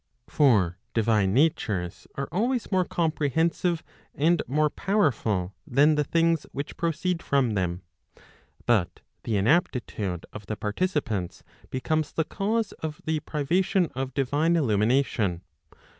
For divine natures are always more comprehensive and more powerful than the things which proceed from them. But the inaptitude of the participants, becomes the cause of the privation ' of divine illumination.